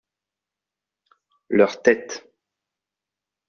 Leurs têtes.